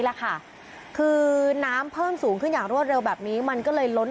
แหละค่ะคือน้ำเพิ่มสูงขึ้นอย่างรวดเร็วแบบนี้มันก็เลยล้น